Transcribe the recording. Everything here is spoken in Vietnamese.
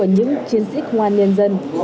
những chiến sĩ ngoan nhân dân